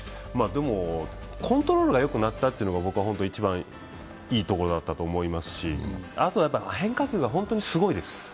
でもコントロールがよくなったというのが一番いいところだったと思いますしあとは変化球が本当にすごいです。